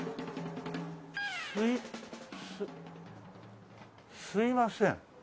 すいすいません。